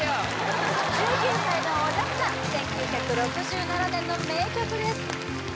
１９歳のおじゃすさん１９６７年の名曲です